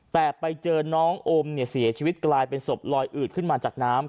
แต่ไปเจอน้องอมเนี่ยเสียชีวิตกลายเป็นศพลอยอืดขึ้นมาจากน้ำ